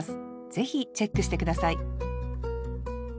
ぜひチェックして下さい